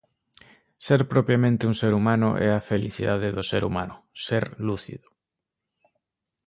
Ser propiamente un ser humano é a felicidade do ser humano, ser lúcido.